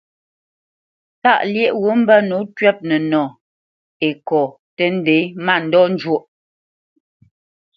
Tâʼ lyéʼ wút mbə́ nǒ twɛ̂p nənɔ Ekô tə́ ndě mándɔ njwóʼ.